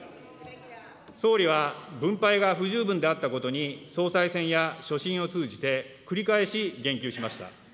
総理は分配が不十分であったことに、総裁選や所信を通じて、繰り返し言及しました。